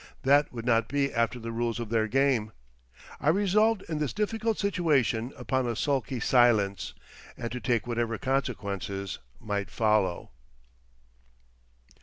That would not be after the rules of their game. I resolved in this difficult situation upon a sulky silence, and to take whatever consequences might follow.